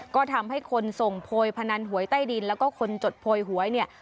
ก็ทำให้คนส่งโพยพนันหวยใต้ดินแล้วก็คนจดโพยหวยเนี่ย